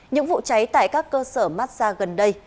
những vụ cháy tại các cơ sở massage gần đây